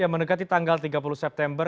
ya menegak di tanggal tiga puluh september